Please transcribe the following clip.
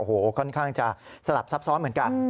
โอ้โหค่อนข้างจะสลับซับซ้อนเหมือนกัน